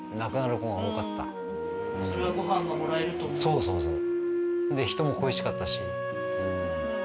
そうそうそう。